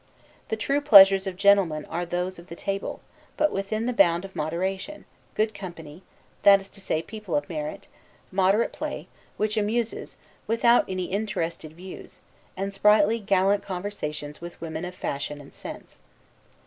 The true pleasures of a gentleman are those of the table, but within the bound of moderation; good company, that is to say, people of merit; moderate play, which amuses, without any interested views; and sprightly gallant conversations with women of fashion and sense.